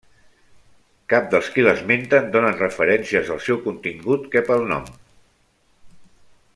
Cap dels qui l'esmenten donen referències del seu contingut que, pel nom.